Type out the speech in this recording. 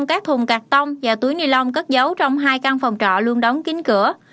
các thùng cạc tông và túi nilon cất dấu trong hai căn phòng trọ luôn đóng kín cửa